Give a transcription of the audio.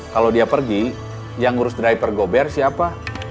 kalau dia pergi yang ngurus driver gober siapa